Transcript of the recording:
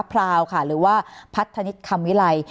พราวค่ะหรือว่าพัฒนิษฐ์คำวิไล